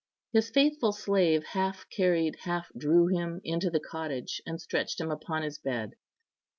His faithful slave half carried, half drew him into the cottage, and stretched him upon his bed.